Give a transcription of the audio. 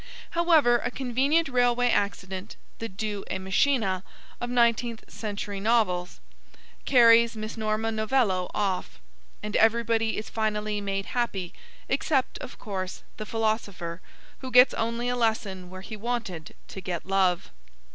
However, a convenient railway accident, the deus ex machina of nineteenth century novels, carries Miss Norma Novello off; and everybody is finally made happy, except, of course, the philosopher, who gets only a lesson where he wanted to get love.